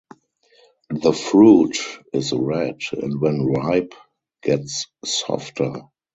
The fruit is red and when ripe gets softer.